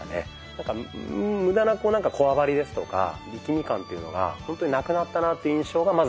なんか無駄なこわばりですとか力み感っていうのがほんとになくなったなぁっていう印象がまず第一に。